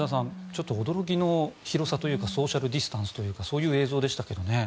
ちょっと驚きの広さというかソーシャル・ディスタンスというかそういう映像でしたけどね。